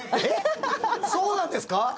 えっそうなんですか！？